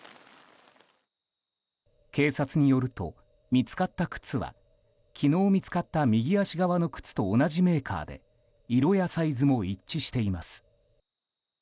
警察によると、見つかった靴は昨日、見つかった右足側の靴と同じメーカーで色やサイズも一致しています。